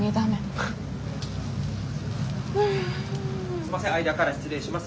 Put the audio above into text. すみません間から失礼します。